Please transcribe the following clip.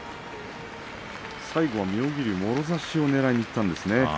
最後、妙義龍もろ差しをねらいにいったんですね。